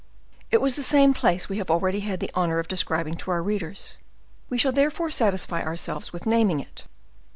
It was the same place we have already had the honor of describing to our readers; we shall therefore satisfy ourselves with naming it.